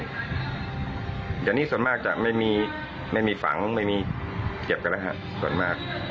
เดี๋ยวนี้ส่วนมากจะไม่มีไม่มีฝังไม่มีเก็บกันแล้วฮะส่วนมาก